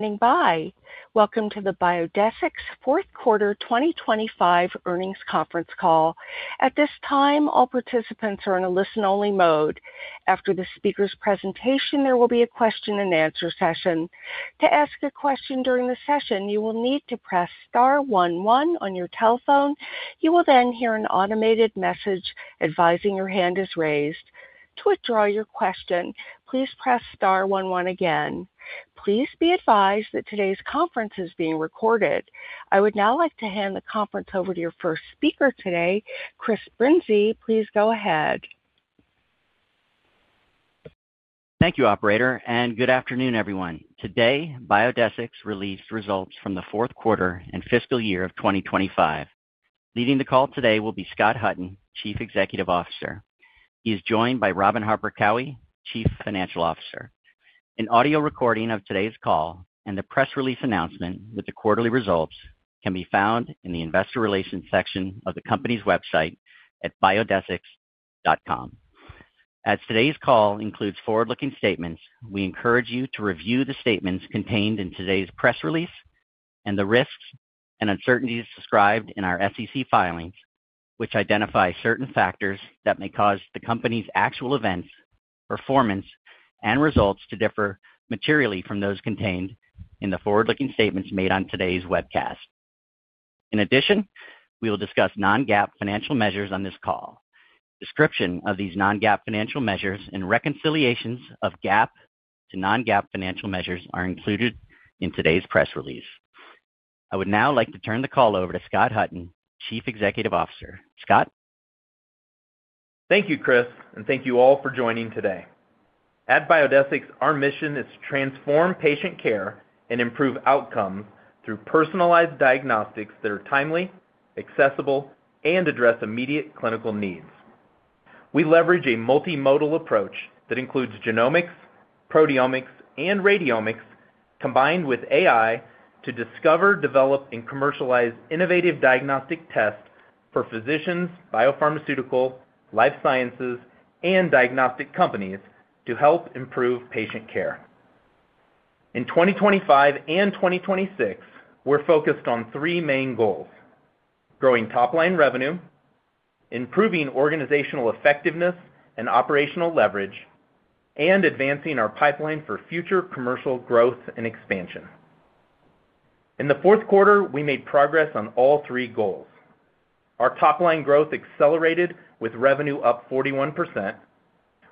Standing by. Welcome to the Biodesix fourth quarter 2025 earnings conference call. At this time, all participants are in a listen-only mode. After the speaker's presentation, there will be a question-and-answer session. To ask a question during the session, you will need to press star one one on your telephone. You will then hear an automated message advising your hand is raised. To withdraw your question, please press star one one again. Please be advised that today's conference is being recorded. I would now like to hand the conference over to your first speaker today, Chris Brinzey. Please go ahead. Thank you, Operator, and good afternoon, everyone. Today, Biodesix released results from the fourth quarter and fiscal year of 2025. Leading the call today will be Scott Hutton, Chief Executive Officer. He is joined by Robin Harper Cowie, Chief Financial Officer. An audio recording of today's call and the press release announcement with the quarterly results can be found in the investor relations section of the company's website at biodesix.com. As today's call includes forward-looking statements, we encourage you to review the statements contained in today's press release and the risks and uncertainties described in our SEC filings, which identify certain factors that may cause the company's actual events, performance, and results to differ materially from those contained in the forward-looking statements made on today's webcast. In addition, we will discuss non-GAAP financial measures on this call. Description of these non-GAAP financial measures and reconciliations of GAAP to non-GAAP financial measures are included in today's press release. I would now like to turn the call over to Scott Hutton, Chief Executive Officer. Scott? Thank you, Chris, and thank you all for joining today. At Biodesix, our mission is to transform patient care and improve outcomes through personalized diagnostics that are timely, accessible, and address immediate clinical needs. We leverage a multimodal approach that includes genomics, proteomics, and radiomics, combined with AI, to discover, develop, and commercialize innovative diagnostic tests for physicians, biopharmaceutical, life sciences, and diagnostic companies to help improve patient care. In 2025 and 2026, we're focused on three main goals: growing top-line revenue, improving organizational effectiveness and operational leverage, and advancing our pipeline for future commercial growth and expansion. In the fourth quarter, we made progress on all three goals. Our top-line growth accelerated with revenue up 41%.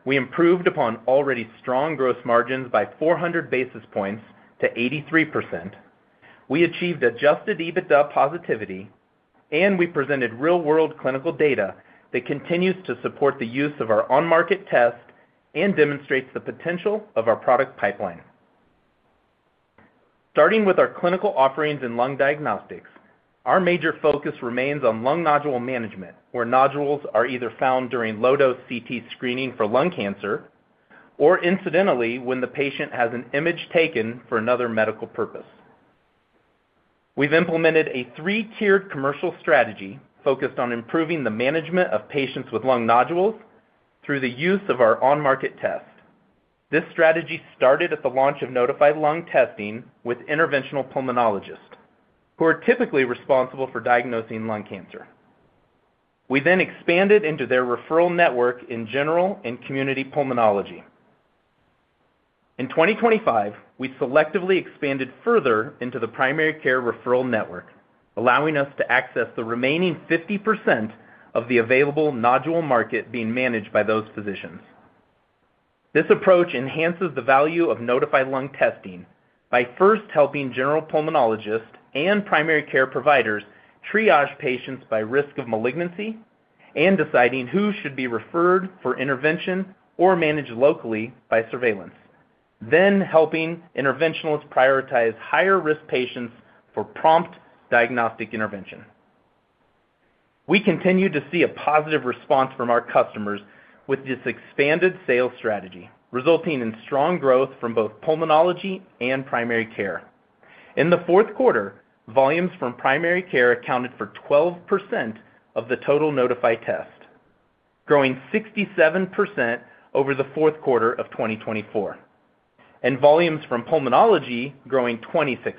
We improved upon already strong gross margins by 400 basis points to 83%. We achieved adjusted EBITDA positivity. We presented real-world clinical data that continues to support the use of our on-market test and demonstrates the potential of our product pipeline. Starting with our clinical offerings in lung diagnostics, our major focus remains on lung nodule management, where nodules are either found during low-dose CT screening for lung cancer or incidentally, when the patient has an image taken for another medical purpose. We've implemented a three-tiered commercial strategy focused on improving the management of patients with lung nodules through the use of our on-market test. This strategy started at the launch of Nodify Lung testing with interventional pulmonologists, who are typically responsible for diagnosing lung cancer. We expanded into their referral network in general and community pulmonology. In 2025, we selectively expanded further into the primary care referral network, allowing us to access the remaining 50% of the available nodule market being managed by those physicians. This approach enhances the value of Nodify Lung testing by first helping general pulmonologists and primary care providers triage patients by risk of malignancy and deciding who should be referred for intervention or managed locally by surveillance, then helping interventionalists prioritize higher-risk patients for prompt diagnostic intervention. We continue to see a positive response from our customers with this expanded sales strategy, resulting in strong growth from both pulmonology and primary care. In the fourth quarter, volumes from primary care accounted for 12% of the total Nodify test, growing 67% over the fourth quarter of 2024, and volumes from pulmonology growing 26%.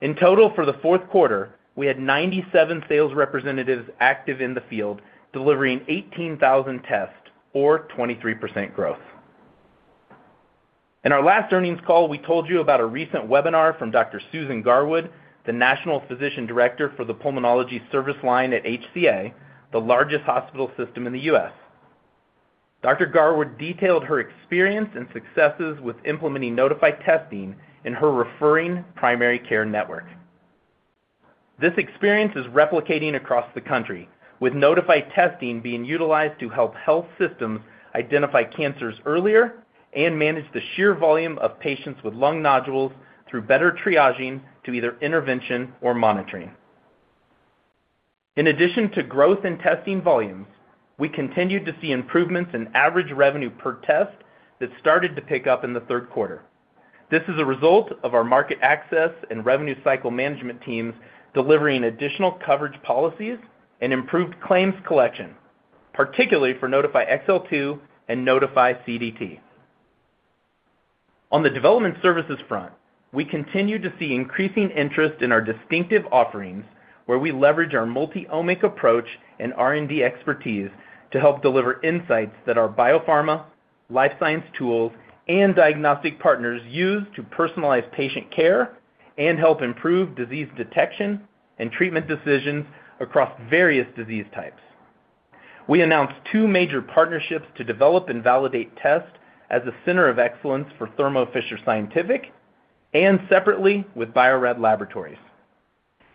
In total, for the fourth quarter, we had 97 sales representatives active in the field, delivering 18,000 tests or 23% growth. In our last earnings call, we told you about a recent webinar from Dr. Susan Garwood, the National Physician Director of Pulmonary Service line at HCA, the largest hospital system in the U.S. Dr. Garwood detailed her experience and successes with implementing Nodify testing in her referring primary care network. This experience is replicating across the country, with Nodify testing being utilized to help health systems identify cancers earlier and manage the sheer volume of patients with lung nodules through better triaging to either intervention or monitoring. In addition to growth in testing volumes, we continued to see improvements in average revenue per test that started to pick up in the third quarter. This is a result of our market access and revenue cycle management teams delivering additional coverage policies and improved claims collection. particularly for Nodify XL2 and Nodify CDT. On the development services front, we continue to see increasing interest in our distinctive offerings, where we leverage our multi-omic approach and R&D expertise to help deliver insights that our biopharma, life science tools, and diagnostic partners use to personalize patient care and help improve disease detection and treatment decisions across various disease types. We announced two major partnerships to develop and validate tests as a center of excellence for Thermo Fisher Scientific and separately with Bio-Rad Laboratories.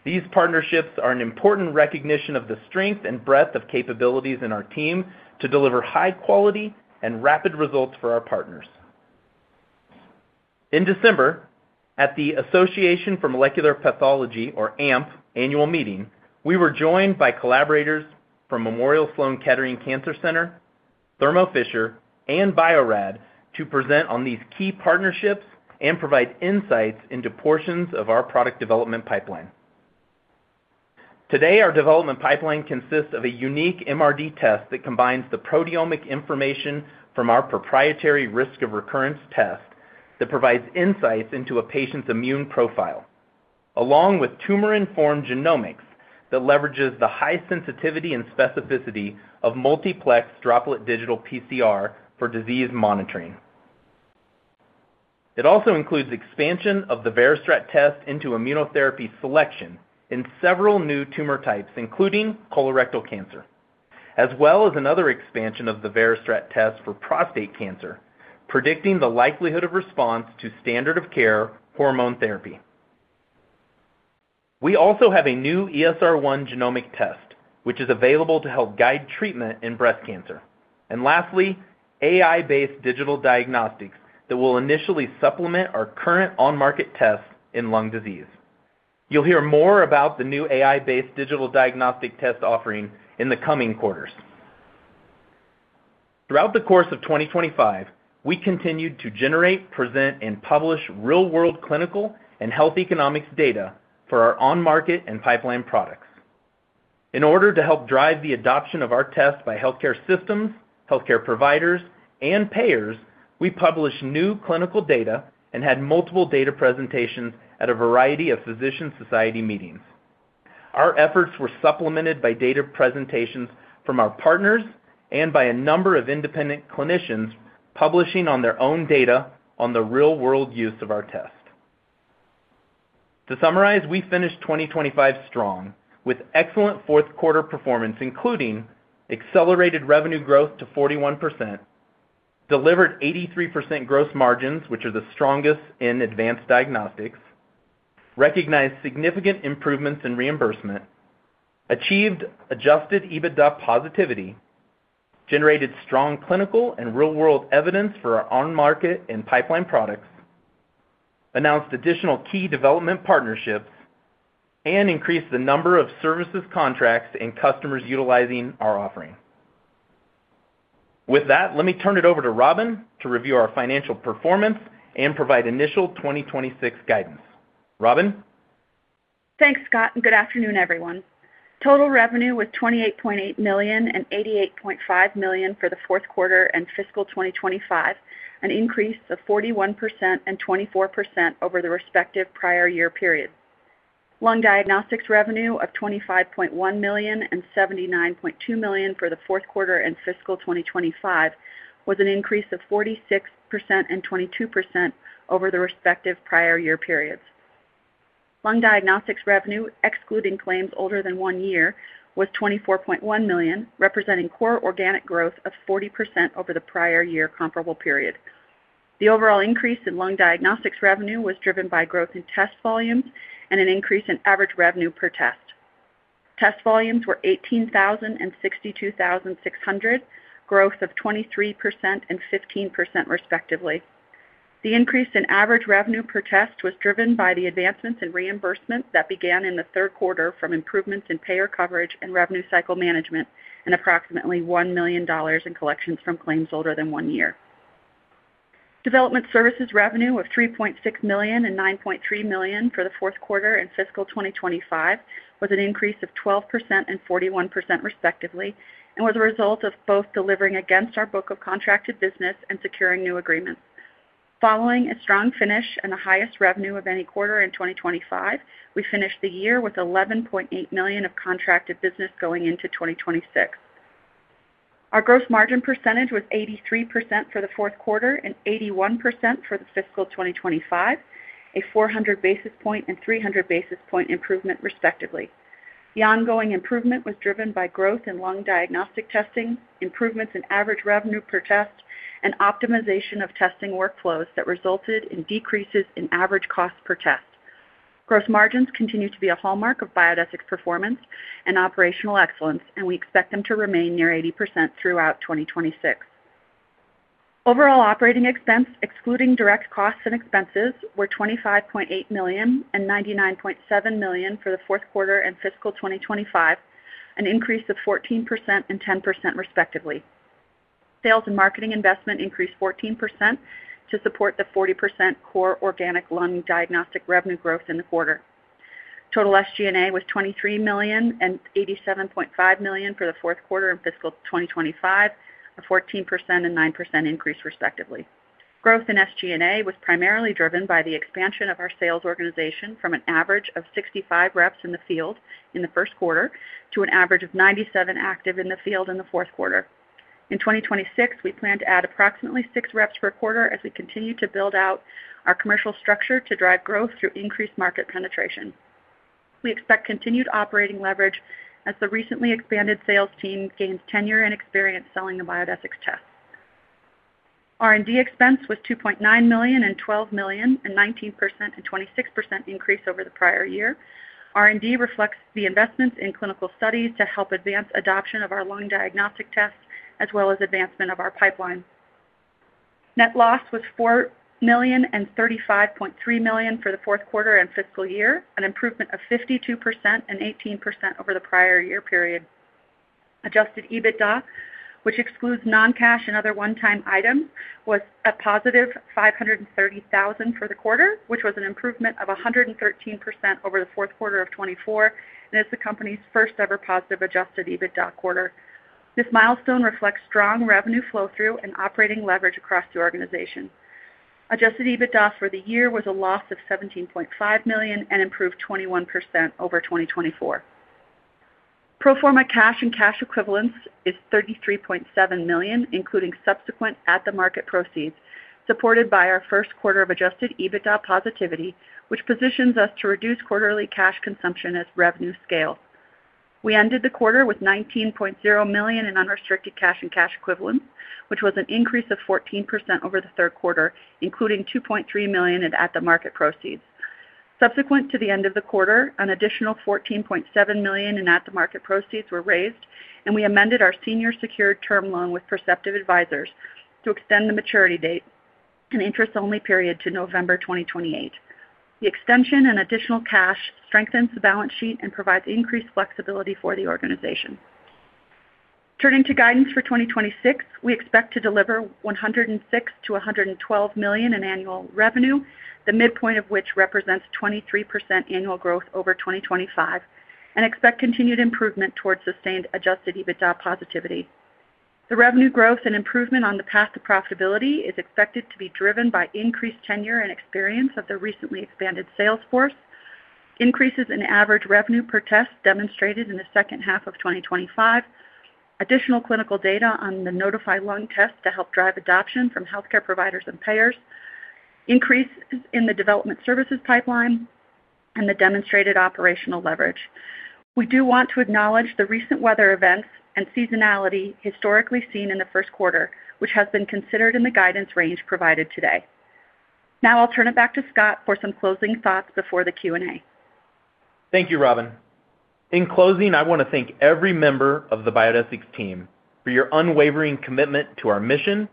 These partnerships are an important recognition of the strength and breadth of capabilities in our team to deliver high quality and rapid results for our partners. In December, at the Association for Molecular Pathology, or AMP, annual meeting, we were joined by collaborators from Memorial Sloan Kettering Cancer Center, Thermo Fisher, and Bio-Rad to present on these key partnerships and provide insights into portions of our product development pipeline. Today, our development pipeline consists of a unique MRD test that combines the proteomic information from our proprietary Risk of Recurrence test that provides insights into a patient's immune profile, along with tumor-informed genomics that leverages the high sensitivity and specificity of multiplex droplet digital PCR for disease monitoring. It also includes expansion of the VeriStrat test into immunotherapy selection in several new tumor types, including colorectal cancer, as well as another expansion of the VeriStrat test for prostate cancer, predicting the likelihood of response to standard of care hormone therapy. We also have a new ESR1 genomic test, which is available to help guide treatment in breast cancer. Lastly, AI-based digital diagnostics that will initially supplement our current on-market tests in lung disease. You'll hear more about the new AI-based digital diagnostic test offering in the coming quarters. Throughout the course of 2025, we continued to generate, present, and publish real-world clinical and health economics data for our on-market and pipeline products. In order to help drive the adoption of our tests by healthcare systems, healthcare providers, and payers, we published new clinical data and had multiple data presentations at a variety of physician society meetings. Our efforts were supplemented by data presentations from our partners and by a number of independent clinicians publishing on their own data on the real-world use of our test. To summarize, we finished 2025 strong, with excellent fourth quarter performance, including accelerated revenue growth to 41%, delivered 83% gross margins, which are the strongest in advanced diagnostics, recognized significant improvements in reimbursement, achieved adjusted EBITDA positivity, generated strong clinical and real-world evidence for our on-market and pipeline products, announced additional key development partnerships, and increased the number of services, contracts, and customers utilizing our offering. With that, let me turn it over to Robin to review our financial performance and provide initial 2026 guidance. Robin? Thanks, Scott. Good afternoon, everyone. Total revenue was $28.8 million and $88.5 million for the fourth quarter and fiscal 2025, an increase of 41% and 24% over the respective prior year periods. Lung diagnostics revenue of $25.1 million and $79.2 million for the fourth quarter and fiscal 2025, was an increase of 46% and 22% over the respective prior year periods. Lung diagnostics revenue, excluding claims older than one year, was $24.1 million, representing core organic growth of 40% over the prior year comparable period. The overall increase in lung diagnostics revenue was driven by growth in test volumes and an increase in average revenue per test. Test volumes were 18,000 and 62,600, growth of 23% and 15% respectively. The increase in average revenue per test was driven by the advancements in reimbursement that began in the third quarter from improvements in payer coverage and revenue cycle management, and approximately $1 million in collections from claims older than one year. Development services revenue of $3.6 million and $9.3 million for the fourth quarter and fiscal 2025, was an increase of 12% and 41% respectively, and was a result of both delivering against our book of contracted business and securing new agreements. Following a strong finish and the highest revenue of any quarter in 2025, we finished the year with $11.8 million of contracted business going into 2026. Our gross margin percentage was 83% for the fourth quarter and 81% for the fiscal 2025, a 400 basis point and 300 basis point improvement, respectively. The ongoing improvement was driven by growth in lung diagnostic testing, improvements in average revenue per test, and optimization of testing workflows that resulted in decreases in average cost per test. Gross margins continue to be a hallmark of Biodesix performance and operational excellence, and we expect them to remain near 80% throughout 2026. Overall operating expense, excluding direct costs and expenses, were $25.8 million and $99.7 million for the fourth quarter and fiscal 2025, an increase of 14% and 10%, respectively. Sales and marketing investment increased 14% to support the 40% core organic lung diagnostic revenue growth in the quarter. Total SG&A was $23 million and $87.5 million for the fourth quarter of fiscal 2025, a 14% and 9% increase, respectively. Growth in SG&A was primarily driven by the expansion of our sales organization from an average of 65 reps in the field in the first quarter to an average of 97 active in the field in the fourth quarter. In 2026, we plan to add approximately six reps per quarter as we continue to build out our commercial structure to drive growth through increased market penetration. We expect continued operating leverage as the recently expanded sales team gains tenure and experience selling the Biodesix test. R&D expense was $2.9 million and $12 million, a 19% and 26% increase over the prior year. R&D reflects the investments in clinical studies to help advance adoption of our lung diagnostic tests, as well as advancement of our pipeline. Net loss was $4 million and $35.3 million for the fourth quarter and fiscal year, an improvement of 52% and 18% over the prior year period. Adjusted EBITDA, which excludes non-cash and other one-time items, was a +$530,000 for the quarter, which was an improvement of 113% over the fourth quarter of 2024, and is the company's first ever positive adjusted EBITDA quarter. This milestone reflects strong revenue flow-through and operating leverage across the organization. Adjusted EBITDA for the year was a loss of $17.5 million and improved 21% over 2024. Pro forma cash and cash equivalents is $33.7 million, including subsequent at-the-market proceeds, supported by our first quarter of adjusted EBITDA positivity, which positions us to reduce quarterly cash consumption as revenue scales. We ended the quarter with $19.0 million in unrestricted cash and cash equivalents, which was an increase of 14% over the third quarter, including $2.3 million in at-the-market proceeds. Subsequent to the end of the quarter, an additional $14.7 million in at-the-market proceeds were raised, and we amended our Senior Secured Term Loan with Perceptive Advisors to extend the maturity date and interest-only period to November 2028. The extension and additional cash strengthens the balance sheet and provides increased flexibility for the organization. Turning to guidance for 2026, we expect to deliver $106 million-$112 million in annual revenue, the midpoint of which represents 23% annual growth over 2025, and expect continued improvement towards sustained adjusted EBITDA positivity. The revenue growth and improvement on the path to profitability is expected to be driven by increased tenure and experience of the recently expanded sales force, increases in average revenue per test demonstrated in the second half of 2025, additional clinical data on the Nodify Lung test to help drive adoption from healthcare providers and payers, increases in the development services pipeline, and the demonstrated operational leverage. We do want to acknowledge the recent weather events and seasonality historically seen in the first quarter, which has been considered in the guidance range provided today. Now I'll turn it back to Scott for some closing thoughts before the Q&A. Thank you, Robin. In closing, I want to thank every member of the Biodesix team for your unwavering commitment to our mission,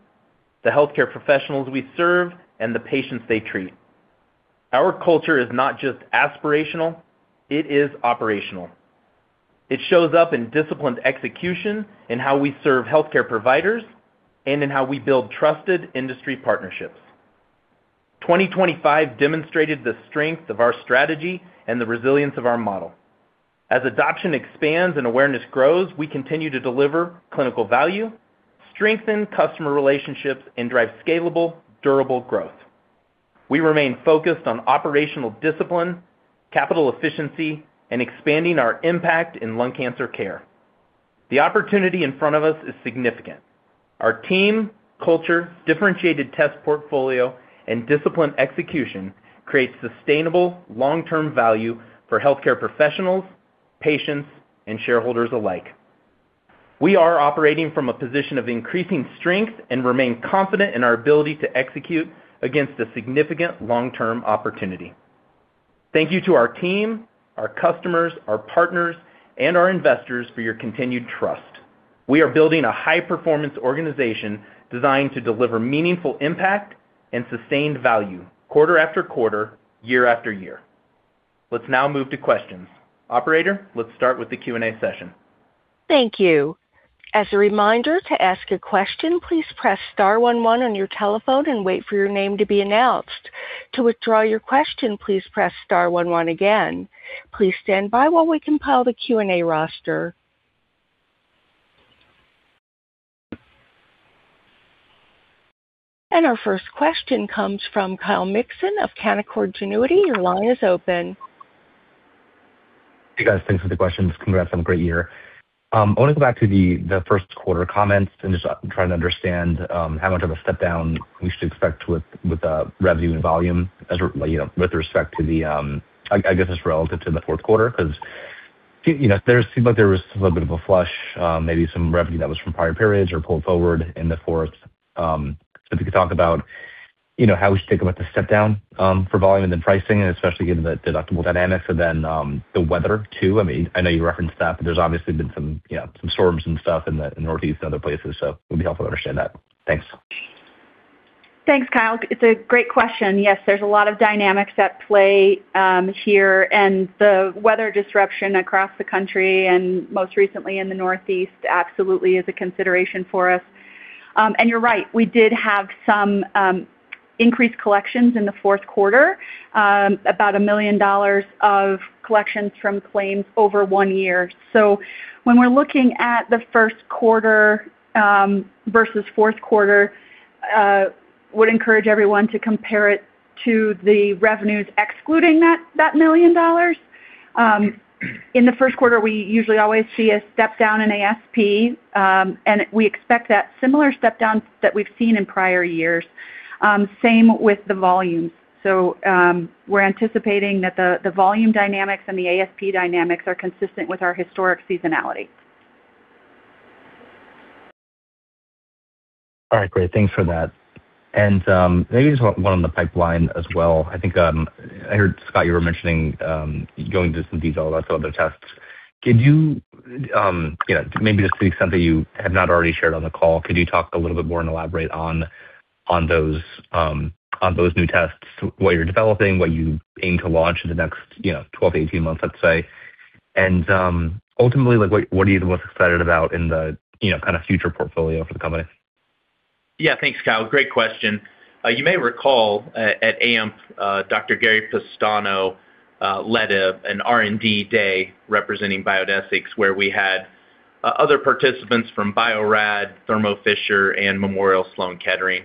the healthcare professionals we serve, and the patients they treat. Our culture is not just aspirational, it is operational. It shows up in disciplined execution, in how we serve healthcare providers, and in how we build trusted industry partnerships. 2025 demonstrated the strength of our strategy and the resilience of our model. As adoption expands and awareness grows, we continue to deliver clinical value, strengthen customer relationships, and drive scalable, durable growth. We remain focused on operational discipline, capital efficiency, and expanding our impact in lung cancer care. The opportunity in front of us is significant. Our team, culture, differentiated test portfolio, and disciplined execution create sustainable long-term value for healthcare professionals, patients, and shareholders alike. We are operating from a position of increasing strength and remain confident in our ability to execute against a significant long-term opportunity. Thank you to our team, our customers, our partners, and our investors for your continued trust. We are building a high-performance organization designed to deliver meaningful impact and sustained value quarter after quarter, year after year. Let's now move to questions. Operator, let's start with the Q&A session. Thank you. As a reminder, to ask a question, please press star one one on your telephone and wait for your name to be announced. To withdraw your question, please press star one one again. Please stand by while we compile the Q&A roster. Our first question comes from Kyle Mikson of Canaccord Genuity. Your line is open. Hey, guys, thanks for the questions. Congrats on a great year. I want to go back to the first quarter comments and just trying to understand how much of a step down we should expect with the revenue and volume as, you know, with respect to I guess, just relative to the fourth quarter, because, you know, there seemed like there was a little bit of a flush, maybe some revenue that was from prior periods or pulled forward in the fourth. If you could talk about, you know, how we should think about the step down for volume and then pricing, and especially given the deductible dynamics and then the weather, too. I mean, I know you referenced that, but there's obviously been some, you know, some storms and stuff in the Northeast and other places. It'd be helpful to understand that. Thanks, Kyle. It's a great question. Yes, there's a lot of dynamics at play here, and the weather disruption across the country and most recently in the Northeast, absolutely is a consideration for us. You're right, we did have some increased collections in the fourth quarter, about $1 million of collections from claims over one year. When we're looking at the first quarter versus fourth quarter, would encourage everyone to compare it to the revenues excluding that million dollars. In the first quarter, we usually always see a step down in ASP. We expect that similar step down that we've seen in prior years, same with the volume. We're anticipating that the volume dynamics and the ASP dynamics are consistent with our historic seasonality. All right, great. Thanks for that. Maybe just one on the pipeline as well. I think I heard, Scott, you were mentioning going into some detail about some other tests. Could you know, maybe just to something you have not already shared on the call, could you talk a little bit more and elaborate on those, on those new tests, what you're developing, what you aim to launch in the next, you know, 12 to 18 months, I'd say? Ultimately, like, what are you the most excited about in the, you know, kind of future portfolio for the company? Yeah. Thanks, Kyle. Great question. You may recall at AMP, Dr. Gary Pestano led an R&D day representing Biodesix, where we had other participants from Bio-Rad, Thermo Fisher and Memorial Sloan Kettering.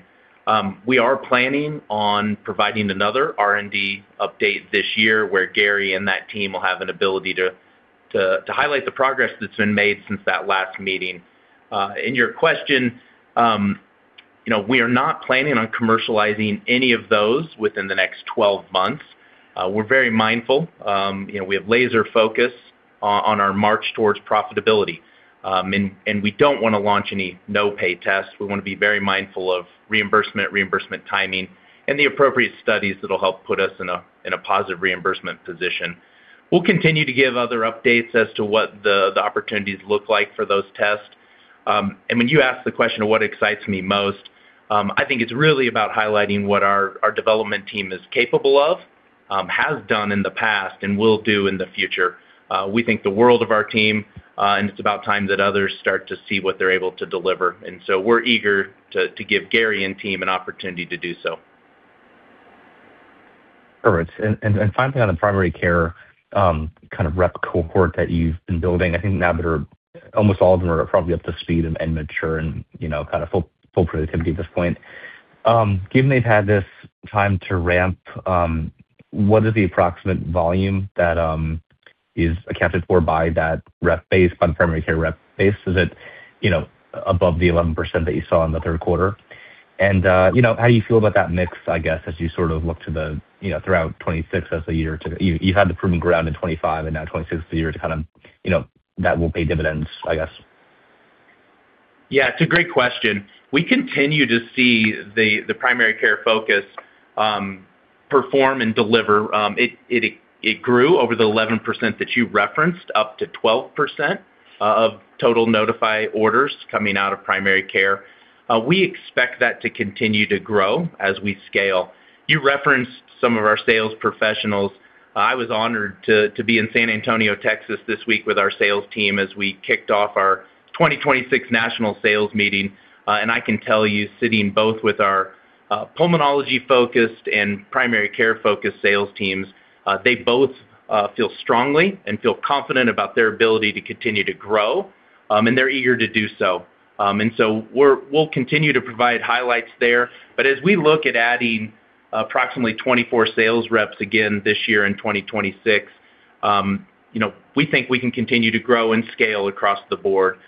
We are planning on providing another R&D update this year, where Gary and that team will have an ability to highlight the progress that's been made since that last meeting. In your question, you know, we are not planning on commercializing any of those within the next 12 months. We're very mindful, you know, we have laser focus on our march towards profitability, and we don't want to launch any no-pay tests. We want to be very mindful of reimbursement timing, and the appropriate studies that will help put us in a positive reimbursement position. We'll continue to give other updates as to what the opportunities look like for those tests. When you ask the question of what excites me most, I think it's really about highlighting what our development team is capable of, has done in the past and will do in the future. We think the world of our team, and it's about time that others start to see what they're able to deliver, and so we're eager to give Gary and team an opportunity to do so. Perfect. Finally, on the primary care, kind of rep cohort that you've been building, I think now that are almost all of them are probably up to speed and mature and, you know, kind of full productivity at this point. Given they've had this time to ramp, what is the approximate volume that is accounted for by that rep base, by the primary care rep base? Is it, you know, above the 11% that you saw in the third quarter? You know, how do you feel about that mix, I guess, as you sort of look to the, you know, throughout 2026 as a year, you had the proving ground in 2025 and now 2026 is the year to kind of, you know, that will pay dividends, I guess. It's a great question. We continue to see the primary care focus perform and deliver. It grew over the 11% that you referenced, up to 12% of total Nodify orders coming out of primary care. We expect that to continue to grow as we scale. You referenced some of our sales professionals. I was honored to be in San Antonio, Texas, this week with our sales team as we kicked off our 2026 national sales meeting, and I can tell you, sitting both with our pulmonology-focused and primary care-focused sales teams, they both feel strongly and feel confident about their ability to continue to grow, and they're eager to do so. We'll continue to provide highlights there. As we look at adding approximately 24 sales reps again this year in 2026, you know, we think we can continue to grow and scale across the board.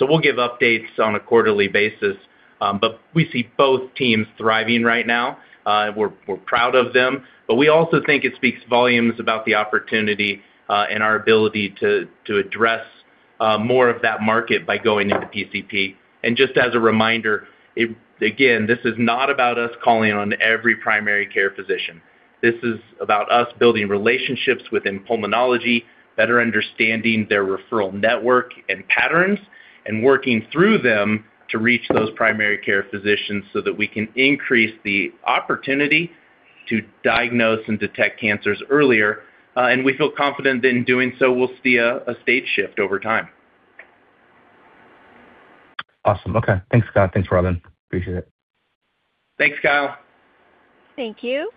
We'll give updates on a quarterly basis, but we see both teams thriving right now. We're proud of them, but we also think it speaks volumes about the opportunity, and our ability to address, more of that market by going into PCP. Just as a reminder, again, this is not about us calling on every primary care physician. This is about us building relationships within pulmonology, better understanding their referral network and patterns, and working through them to reach those primary care physicians so that we can increase the opportunity to diagnose and detect cancers earlier. We feel confident that in doing so, we'll see a stage shift over time. Awesome. Okay. Thanks, Scott. Thanks, Robin. Appreciate it. Thanks, Kyle. Thank you.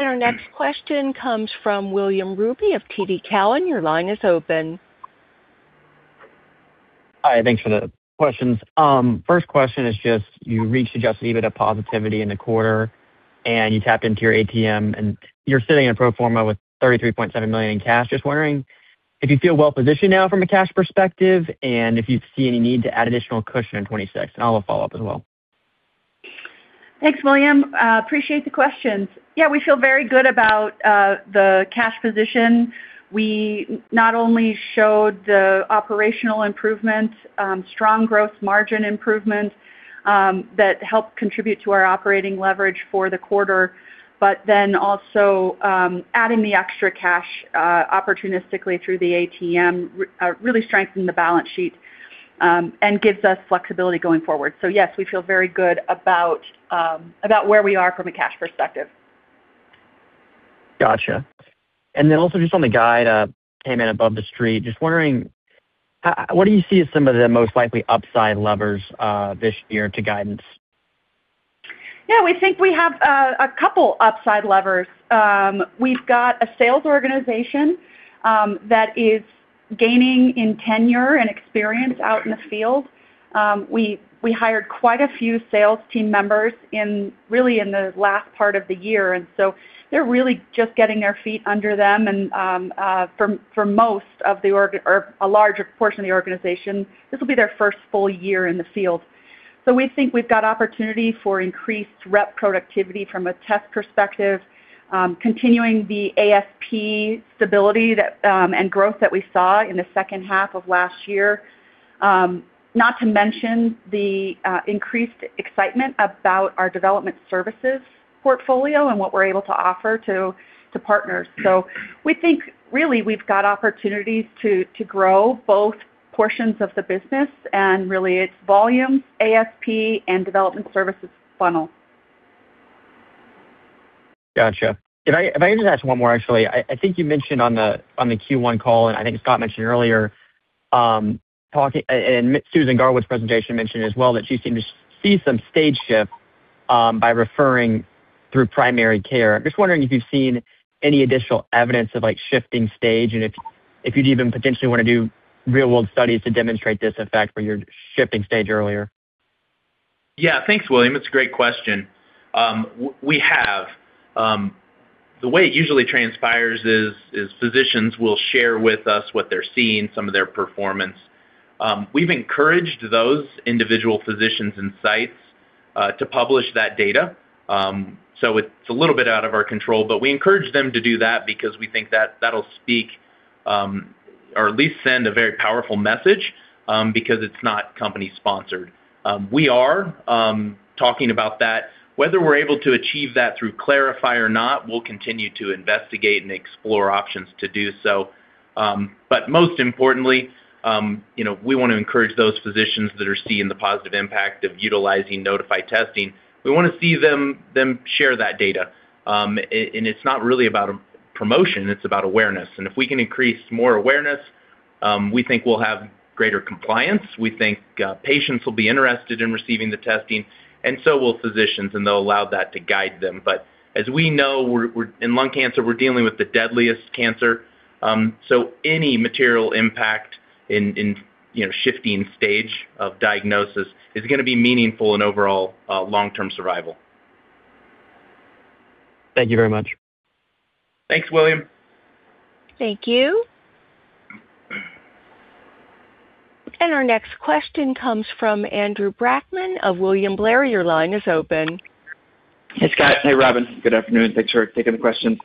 Our next question comes from William Ruby of TD Cowen. Your line is open. Hi, thanks for the questions. First question is, you reached adjusted EBITDA positivity in the quarter, and you tapped into your ATM, and you're sitting in a pro forma with $33.7 million in cash. Just wondering if you feel well positioned now from a cash perspective and if you see any need to add additional cushion in 2026? I'll follow up as well. Thanks, William. We appreciate the questions. Yeah, we feel very good about the cash position. We not only showed the operational improvement, strong growth margin improvement, that helped contribute to our operating leverage for the quarter, but then also adding the extra cash opportunistically through the ATM, really strengthened the balance sheet, and gives us flexibility going forward. Yes, we feel very good about where we are from a cash perspective. Gotcha. Also just on the guide, came in above the street. Just wondering, what do you see as some of the most likely upside levers, this year to guidance? Yeah, we think we have couple upside levers. We've got a sales organization that is gaining in tenure and experience out in the field. We hired quite a few sales team members in, really in the last part of the year, and so they're really just getting their feet under them. For most of the or a larger portion of the organization, this will be their first full year in the field. We think we've got opportunity for increased rep productivity from a test perspective, continuing the ASP stability that, and growth that we saw in the second half of last year. Not to mention the increased excitement about our development services portfolio and what we're able to offer to partners. We think really we've got opportunities to grow both portions of the business, and really it's volume, ASP, and development services funnel. Gotcha. If I can just ask one more, actually. I think you mentioned on the Q1 call, and I think Scott mentioned earlier. Susan Garwood's presentation mentioned as well, that she seemed to see some stage shift by referring through primary care. I'm just wondering if you've seen any additional evidence of, like, shifting stage, and if you'd even potentially want to do real-world studies to demonstrate this effect where you're shifting stage earlier. Yeah. Thanks, William. It's a great question. We have. The way it usually transpires is, physicians will share with us what they're seeing, some of their performance. We've encouraged those individual physicians and sites to publish that data. It's a little bit out of our control, but we encourage them to do that because we think that that'll speak or at least send a very powerful message because it's not company sponsored. We are talking about that. Whether we're able to achieve that through CLARIFY or not, we'll continue to investigate and explore options to do so. Most importantly, you know, we want to encourage those physicians that are seeing the positive impact of utilizing Nodify testing. We wanna see them share that data. It's not really about a promotion, it's about awareness. If we can increase more awareness, we think we'll have greater compliance. We think, patients will be interested in receiving the testing, and so will physicians, and they'll allow that to guide them. As we know, we're in lung cancer, we're dealing with the deadliest cancer, so any material impact in, you know, shifting stage of diagnosis is gonna be meaningful in overall, long-term survival. Thank you very much. Thanks, William. Thank you. Our next question comes from Andrew Brackmann of William Blair. Your line is open. Hey, Scott. Hey, Robin. Good afternoon. Thanks for taking the question.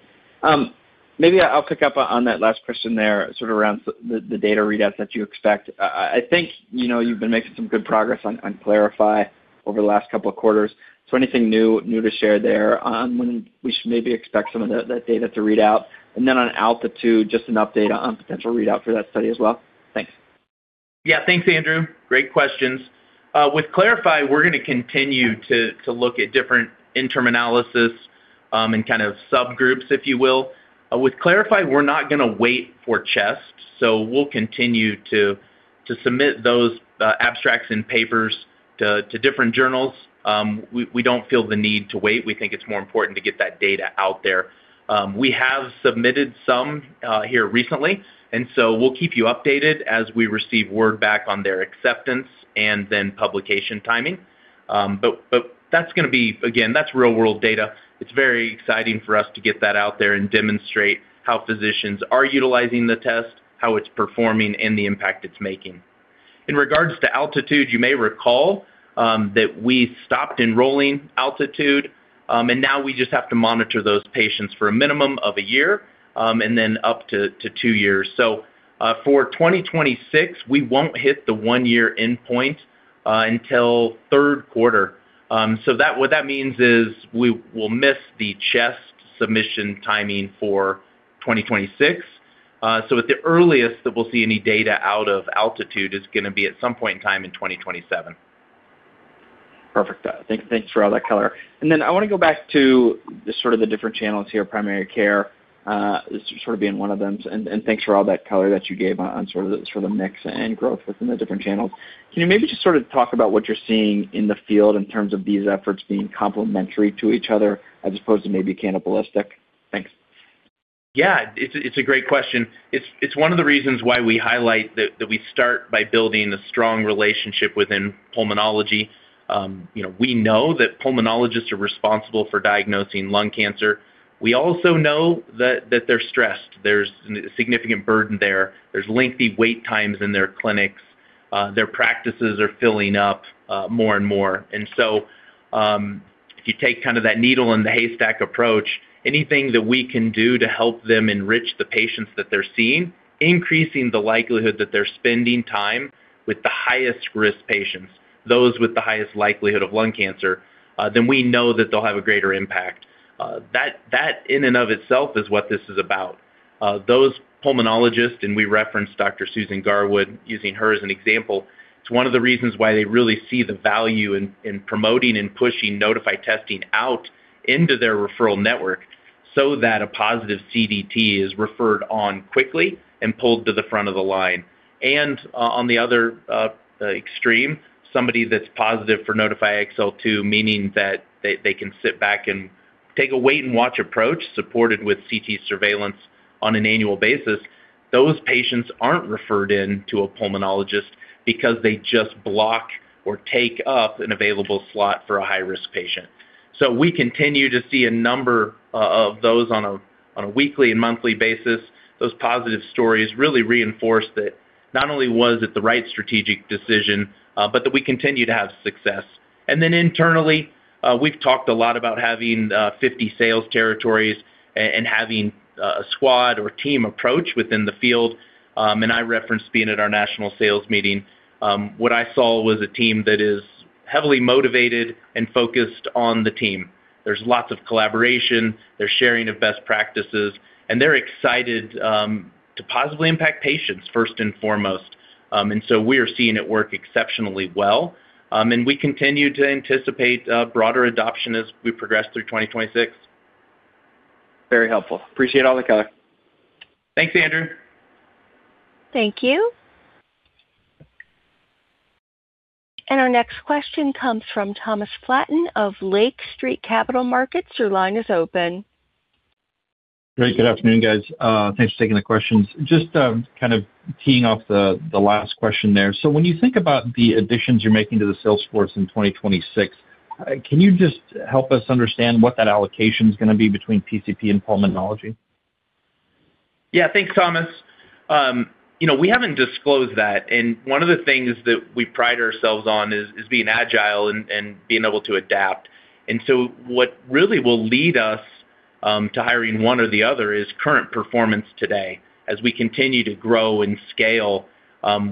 Maybe I'll pick up on that last question there, sort of around the data readouts that you expect. I think, you know, you've been making some good progress on CLARIFY over the last couple of quarters. Anything new to share there on when we should maybe expect some of that data to read out? On ALTITUDE, just an update on potential readout for that study as well. Thanks. Thanks, Andrew. Great questions. With CLARIFY, we're gonna continue to look at different interim analysis and kind of subgroups, if you will. With CLARIFY, we're not gonna wait for CHEST, we'll continue to submit those abstracts and papers to different journals. We don't feel the need to wait. We think it's more important to get that data out there. We have submitted some here recently, so we'll keep you updated as we receive word back on their acceptance and then publication timing. Again, that's real-world data. It's very exciting for us to get that out there and demonstrate how physicians are utilizing the test, how it's performing, and the impact it's making. In regards to ALTITUDE, you may recall that we stopped enrolling ALTITUDE, now we just have to monitor those patients for a minimum of a year, and then up to two years. For 2026, we won't hit the one-year endpoint until third quarter. What that means is we will miss the CHEST submission timing for 2026. At the earliest that we'll see any data out of ALTITUDE is gonna be at some point in time in 2027. Perfect. Thanks for all that color. Then I wanna go back to the sort of the different channels here, primary care, sort of being one of them. Thanks for all that color that you gave on sort of the mix and growth within the different channels. Can you maybe just sort of talk about what you're seeing in the field in terms of these efforts being complementary to each other as opposed to maybe cannibalistic? Thanks. It's a great question. It's one of the reasons why we highlight that we start by building a strong relationship within pulmonology. You know, we know that pulmonologists are responsible for diagnosing lung cancer. We also know that they're stressed. There's significant burden there. There's lengthy wait times in their clinics. Their practices are filling up more and more. If you take kind of that needle in the haystack approach, anything that we can do to help them enrich the patients that they're seeing, increasing the likelihood that they're spending time with the highest-risk patients, those with the highest likelihood of lung cancer, then we know that they'll have a greater impact. That in and of itself is what this is about. Those pulmonologists, we referenced Dr. Susan Garwood, using her as an example, it's one of the reasons why they really see the value in promoting and pushing Nodify testing out into their referral network so that a positive Nodify CDT is referred on quickly and pulled to the front of the line. On the other extreme, somebody that's positive for Nodify XL2, meaning that they can sit back and take a wait-and-watch approach, supported with CT surveillance on an annual basis. Those patients aren't referred in to a pulmonologist because they just block or take up an available slot for a high-risk patient. We continue to see a number of those on a weekly and monthly basis. Those positive stories really reinforce that not only was it the right strategic decision, but that we continue to have success. Internally, we've talked a lot about having 50 sales territories and having a squad or team approach within the field. I referenced being at our national sales meeting. What I saw was a team that is heavily motivated and focused on the team. There's lots of collaboration, there's sharing of best practices, and they're excited to positively impact patients first and foremost. We are seeing it work exceptionally well, and we continue to anticipate broader adoption as we progress through 2026. Very helpful. Appreciate all the color. Thanks, Andrew. Thank you. Our next question comes from Thomas Flaten of Lake Street Capital Markets. Your line is open. Great. Good afternoon, guys. Thanks for taking the questions. Just, kind of teeing off the last question there. When you think about the additions you're making to the sales force in 2026, can you just help us understand what that allocation is gonna be between PCP and pulmonology? Yeah, thanks, Thomas. You know, we haven't disclosed that, and one of the things that we pride ourselves on is being agile and being able to adapt. What really will lead us to hiring one or the other is current performance today. As we continue to grow and scale,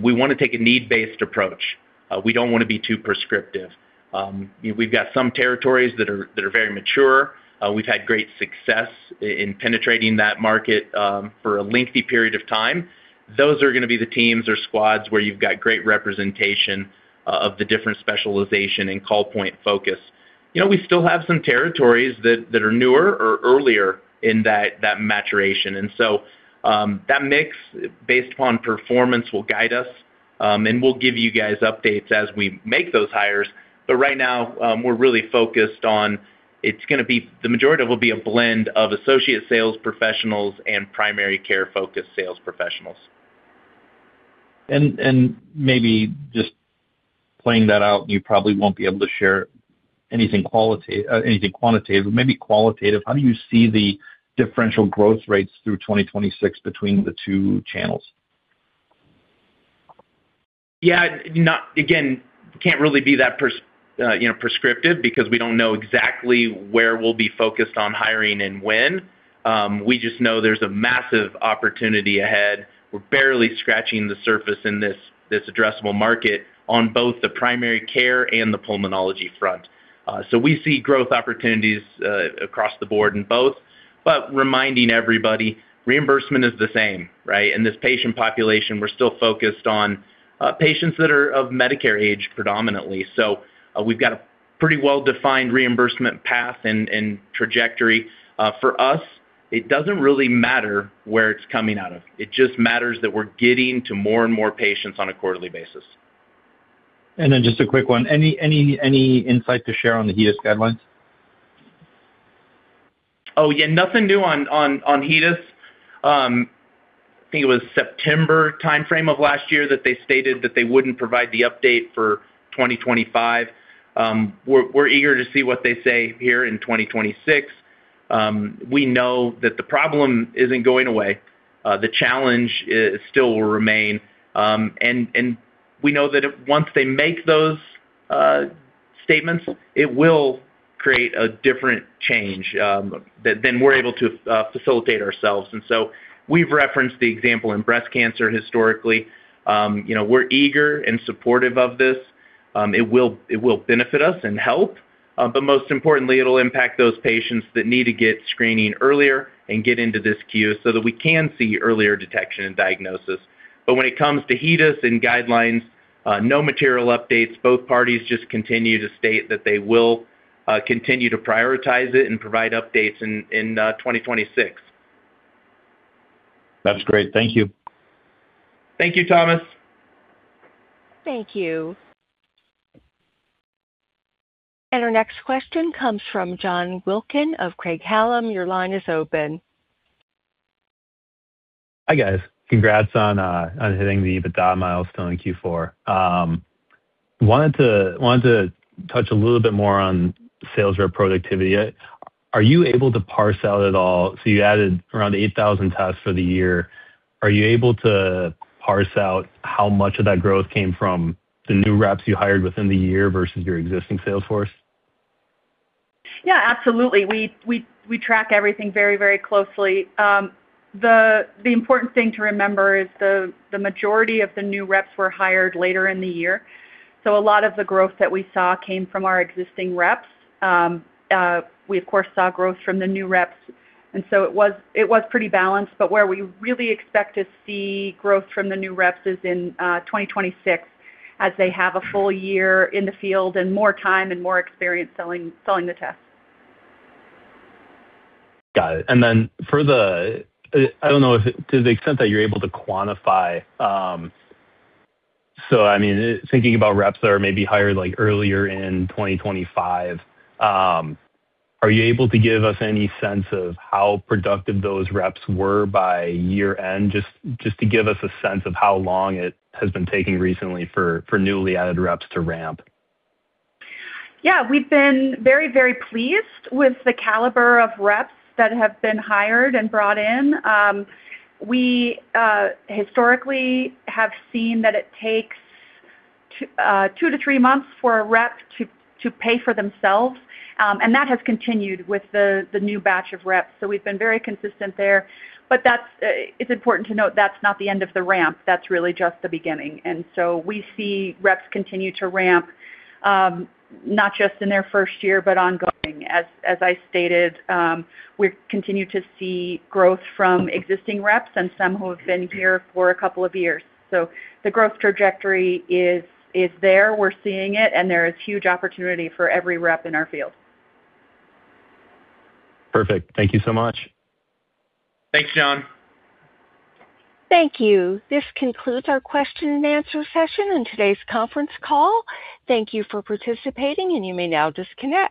we wanna take a need-based approach. We don't wanna be too prescriptive. We've got some territories that are very mature. We've had great success in penetrating that market for a lengthy period of time. Those are gonna be the teams or squads where you've got great representation of the different specialization and call point focus. You know, we still have some territories that are newer or earlier in that maturation. That mix, based upon performance, will guide us, and we'll give you guys updates as we make those hires. Right now, we're really focused on... the majority of it will be a blend of associate sales professionals and primary care-focused sales professionals. Maybe just playing that out, you probably won't be able to share anything quality, anything quantitative, maybe qualitative. How do you see the differential growth rates through 2026 between the two channels? Can't really be that, you know, prescriptive because we don't know exactly where we'll be focused on hiring and when. We just know there's a massive opportunity ahead. We're barely scratching the surface in this addressable market on both the primary care and the pulmonology front. We see growth opportunities across the board in both. Reminding everybody, reimbursement is the same, right? In this patient population, we're still focused on patients that are of Medicare age, predominantly. We've got a pretty well-defined reimbursement path and trajectory. For us, it doesn't really matter where it's coming out of. It just matters that we're getting to more and more patients on a quarterly basis. Just a quick one. Any insight to share on the HEDIS guidelines? Oh, yeah. Nothing new on HEDIS. I think it was September timeframe of last year that they stated that they wouldn't provide the update for 2025. We're eager to see what they say here in 2026. We know that the problem isn't going away. The challenge still will remain. And we know that once they make those statements, it will create a different change that than we're able to facilitate ourselves. We've referenced the example in breast cancer historically. You know, we're eager and supportive of this. It will benefit us and help, but most importantly, it'll impact those patients that need to get screening earlier and get into this queue so that we can see earlier detection and diagnosis. When it comes to HEDIS and guidelines, no material updates, both parties just continue to state that they will, continue to prioritize it and provide updates in 2026. That's great. Thank you. Thank you, Thomas. Thank you. Our next question comes from John Wilkin of Craig-Hallum. Your line is open. Hi, guys. Congrats on hitting the EBITDA milestone in Q4. Wanted to touch a little bit more on sales rep productivity. You added around 8,000 tasks for the year. Are you able to parse out how much of that growth came from the new reps you hired within the year versus your existing sales force? Absolutely. We track everything very, very closely. The important thing to remember is the majority of the new reps were hired later in the year, so a lot of the growth that we saw came from our existing reps. We, of course, saw growth from the new reps, and so it was pretty balanced, but where we really expect to see growth from the new reps is in 2026, as they have a full year in the field and more time and more experience selling the tests. Got it. For the... I don't know if, to the extent that you're able to quantify, so I mean, thinking about reps that are maybe hired like earlier in 2025, are you able to give us any sense of how productive those reps were by year-end? Just to give us a sense of how long it has been taking recently for newly added reps to ramp. Yeah, we've been very, very pleased with the caliber of reps that have been hired and brought in. We historically have seen that it takes two to three months for a rep to pay for themselves, and that has continued with the new batch of reps, so we've been very consistent there. That's important to note that's not the end of the ramp. That's really just the beginning. We see reps continue to ramp, not just in their first year, but ongoing. As I stated, we continue to see growth from existing reps and some who have been here for couple of years. The growth trajectory is there, we're seeing it, and there is huge opportunity for every rep in our field. Perfect. Thank you so much. Thanks, John. Thank you. This concludes our question-and-answer session in today's conference call. Thank you for participating, and you may now disconnect.